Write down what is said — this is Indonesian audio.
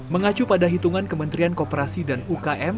mengacu pada hitungan kementerian kooperasi dan ukm